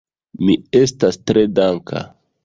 Mi estas tre danka.